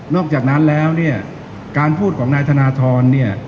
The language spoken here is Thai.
นอกจากนั้นแล้วการพูดของนายธนทร